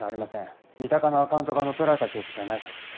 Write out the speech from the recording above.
三鷹のアカウントが乗っ取られた形跡はないそうです。